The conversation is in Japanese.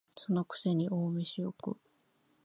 その癖に大飯を食う